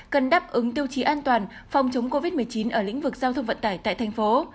cần đáp ứng tiêu chí an toàn phòng chống covid một mươi chín ở lĩnh vực giao thông vận tải tại thành phố